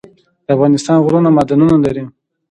د افغانستان غرونه معدنونه لري